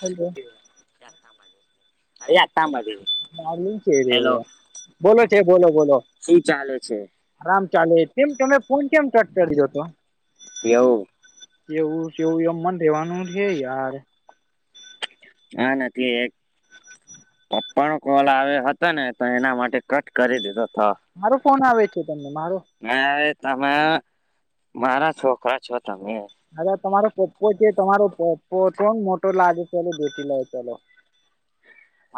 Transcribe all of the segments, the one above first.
Hello અરેે hello બોલો છે બોલો બોલો શું ચાલે છે આરામ ચાલે કેમ તમે ફોન કેમ ચક કર્યો હતો એવ એવું કેવું એમને રહેેવાનું છે યાર હા નથી એક પપ્પાનો કોલ આવે હતો ને તો એના માટે કટ કરી દીધો તો મારો ફોન આવે છે તમને મારો મે તમે મારા છોકરા છો તમે હાા તમારો પપ્પો છે તમારો પપ્પો કોણ મોટો લાગે ચલો બેટી લે ચાલ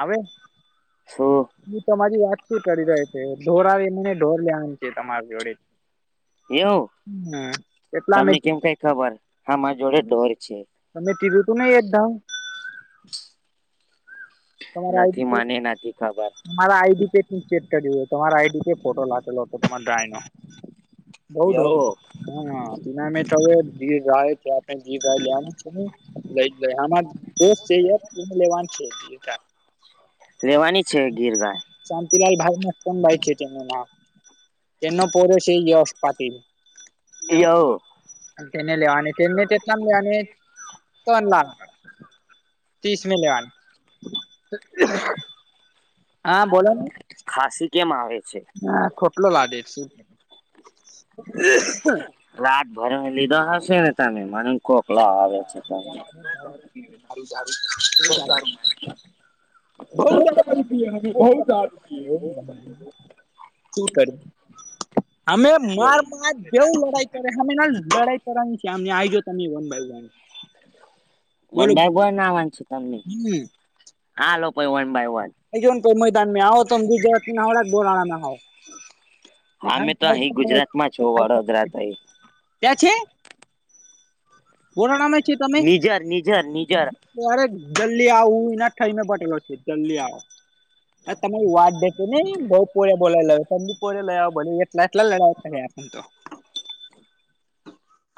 હવે છું હું તમારી વાત શું કરી રહી છે ઢોર આવે મને ઢોર લમ છે તમારી જોડે હ એટલામે એમ કઈ ખબર હા મા જોડે ડર છે તમે ટીરું તું નહી એક ધ. તમા નથી આઈ. મને નથી ખબર તમારા આઈડી કેડ ચેટ કર તમારા આઈડી કેડ ફોટો લખેલો હતો તમારા ડ્રાય ન. બ યો હા બના મે તો જી ગાય જી ગાય. લઈ લઈ આમા દોસ્ત છે લેવાનું છે. રહેેવાની છે ગીર ગાય. શાંતિલાલ ભાઈ નાતાન બાાઈ છેટેમાં. તેમનો પોરશે યશ પાતીલ. એવ. કેને લેવા કેને તેટલા લેવાને તો લાવ. ત્રીસ મિ લવાન. હા બોલો ને. ખાસી કેમ આવે છે. હા ખોટલો લદે શું. રાત ભર લીધો હશે ને તમે મને કોકલા આવે. સારારું સારું બ સારું મ. બ બહુડ. શું કરી અમે માર મા જેવું લડાઈ કરે અમે લડાઈ. છેમને આજ તમે વન બાય વન. બોલો વંડા ગો ના વાનું છે તમને. હમ હા લોકોાઈ વન બાય વન. એજ કોઈ મૈદાનમાં આવો તમે દીજ જ તડા બોલ હોો. હ અમે તો અહી ગુજરાતમાં છો વડોદરા થઈ ક્યાં છે. કોરા નામે છે તમે. નિજર નિજર નિજર અરે જલ્દી આવું એના થઈને બટેલો છે જલ્દી આવો. તમારી વાત દેસે ને એ બઉ પોળ્યા બોલાવી લાવ ત પોળ્યા લઈ આવો બો. પ્ટલા લડાતો આપ તો.